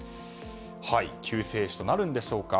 救世主となるんでしょうか。